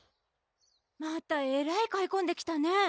またえらい買いこんできたね